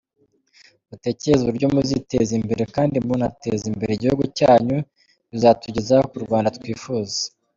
Mutekereze uburyo muziteza imbere kandi munateza imbere igihugu cyanyu, bizatugeza ku Rwanda twifuza.